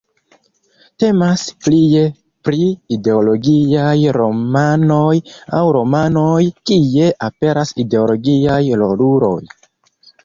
Temas plie pri ideologiaj romanoj aŭ romanoj, kie aperas ideologiaj roluloj.